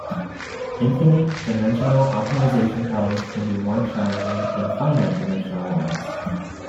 Infinite-dimensional optimization problems can be more challenging than finite-dimensional ones.